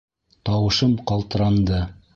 Тауышым ҡалтыранды.